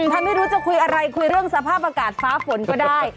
ถ้าไม่รู้จะคุยอะไรคุยเรื่องสภาพอากาศฟ้าฝนก็ได้